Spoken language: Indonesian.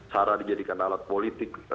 sara dijadikan alat politik